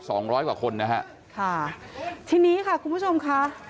สองร้อยกว่าคนนะฮะค่ะทีนี้ค่ะคุณผู้ชมค่ะ